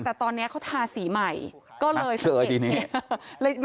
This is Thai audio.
แต่ตอนนี้เขาทาสีใหม่ก็เลยสังเกต